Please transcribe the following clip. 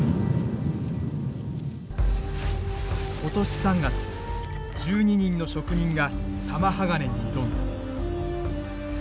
今年３月１２人の職人が玉鋼に挑んだ。